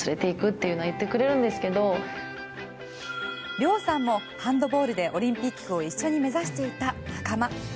涼さんも、ハンドボールでオリンピックを一緒に目指していた仲間。